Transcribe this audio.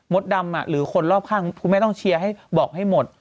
ดำหรือคนรอบข้างคุณแม่ต้องเชียร์ให้บอกให้หมด